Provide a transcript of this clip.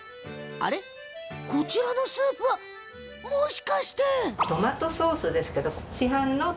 こちらのスープは、もしかして。